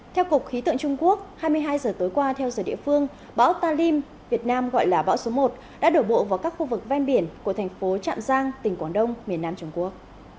theo cục khí tượng trung quốc hai mươi hai giờ tối qua theo giờ địa phương bão talim việt nam gọi là bão số một đã đổ bộ vào các khu vực ven biển của thành phố trạm giang tỉnh quảng đông miền nam trung quốc